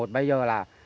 bây giờ là